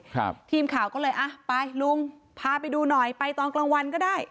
ทีมข่าวก็เลยอ่ะไปลุงพาไปดูหน่อยไปตอนกลางวันก็ได้